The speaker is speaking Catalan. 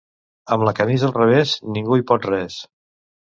Amb la camisa al revés, ningú no hi pot res.